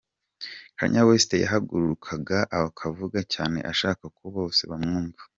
Kanye West yahagurukaga akavuga cyane ashaka ko bose bamwumva.